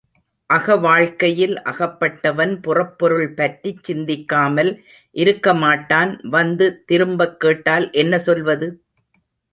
அக வாழ்க்கையில் அகப்பட்டவன் புறப்பொருள் பற்றிச் சிந்திக்காமல் இருக்கமாட்டான் வந்து திரும்பக் கேட்டால் என்ன சொல்வது?